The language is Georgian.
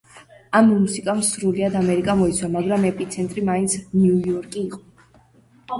ამ მუსიკამ სრულიად ამერიკა მოიცვა, მაგრამ ეპიცენტრი მაინც ნიუ-იორკი იყო.